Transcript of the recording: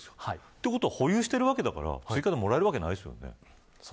ということは保有しているわけだから追加で、もらえるわけないですよね。